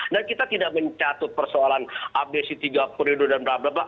dan kita tidak mencatut persoalan abdesi tiga periode dan blablabla